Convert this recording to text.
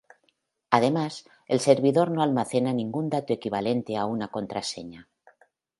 Además, el servidor no almacena ningún dato equivalente a una contraseña.